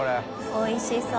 おいしそう。